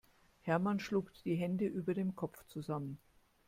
Hermann schlug die Hände über dem Kopf zusammen.